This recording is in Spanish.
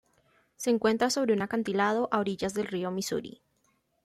Se encuentra sobre un acantilado a orillas del río Misuri.